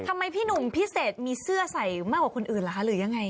ทำไมพี่หนุ่มพิเศษมีเสื้อใส่มากกว่าคนอื่นหรือยังไง